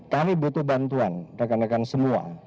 kami butuh bantuan rekan rekan semua